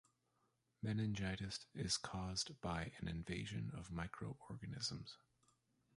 Meningitis is caused by an invasion of micro-organisms.